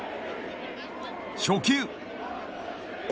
初球。